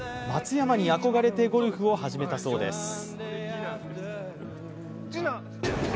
松山に憧れてゴルフを始めたそうです。